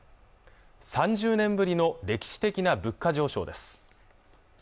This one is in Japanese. ３０年ぶりの歴史的な物価上昇です